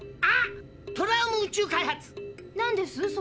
あっトラオム宇宙開発！なんです？